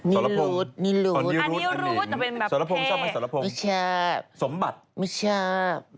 นี่รูดนี่รูดอันนี้รูดแต่เป็นแบบแภกไม่ชอบสมบัติไม่ชอบ